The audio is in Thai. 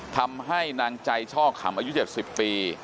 ทำให้นางใจช่อขำอายุ๗๐ปี